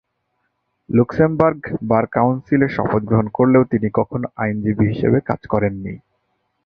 Luxembourg bar কাউন্সিলে শপথ গ্রহণ করলেও তিনি কখনো আইনজীবী হিসেবে কাজ করেন নি।